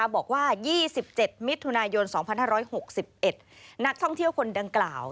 บอกว่า๒๗มิถุนายน๒๕๖๑นักท่องเที่ยวคนดังกล่าว